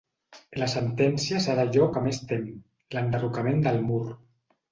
La sentència serà allò que més tem: l'enderrocament del mur.